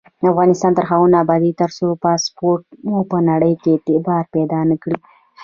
افغانستان تر هغو نه ابادیږي، ترڅو پاسپورت مو په نړۍ کې اعتبار پیدا نکړي.